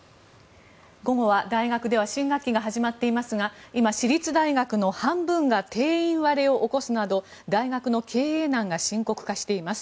午後は、大学では新学期が始まっていますが今、私立大学の半分が定員割れを起こすなど大学の経営難が深刻化しています。